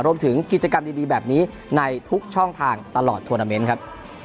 รวมถึงกิจกรรมดีแบบนี้ในทุกช่องทางตลอดทวนาเมนต์ครับ